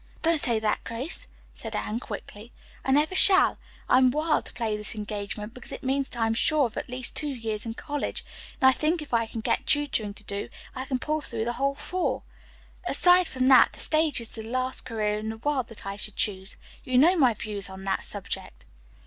"Don't say that, Grace," said Anne quickly. "I never shall. I am wild to play this engagement, because it means that I am sure of at least two years in college, and I think if I can get tutoring to do, I can pull through the whole four. Aside from that, the stage is the last career in the world that I should choose. You know my views on that subject."